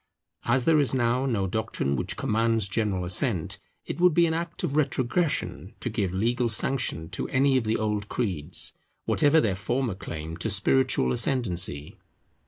As there is now no doctrine which commands general assent, it would be an act of retrogression to give legal sanction to any of the old creeds, whatever their former claim to spiritual ascendancy.